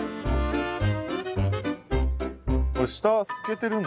これ下透けてるんですよ。